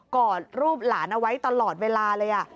อดรูปหลานเอาไว้ตลอดเวลาเลย